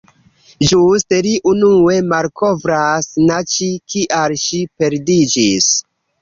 Ĝuste li unue malkovras na Ĉi kial ŝi perdiĝis.